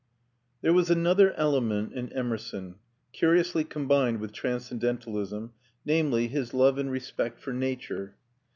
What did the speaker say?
There was another element in Emerson, curiously combined with transcendentalism, namely, his love and respect for Nature.